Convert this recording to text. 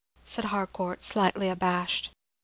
said Harcourt, slightly abashed.